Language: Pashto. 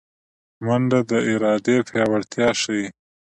منډه د ارادې پیاوړتیا ښيي